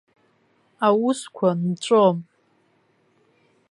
Аусқәа нҵәом.